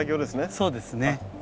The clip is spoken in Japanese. そうですね。